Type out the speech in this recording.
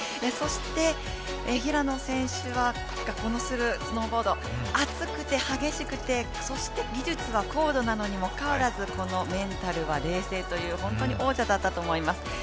そして平野選手が活躍したスノーボード熱くて、激しくて、そして技術は高度なのにもかかわらずメンタルが冷静という、本当に王者だったと思います。